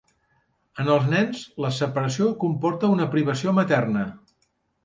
En els nens, la separació comporta una privació materna.